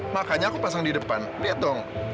makanya aku pasang di depan lihat dong